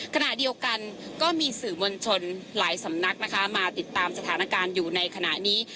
ขณะเดียวกันก็มีสื่อมวลชนหลายสำนักนะคะมาติดตามสถานการณ์อยู่ในขณะนี้